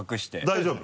大丈夫？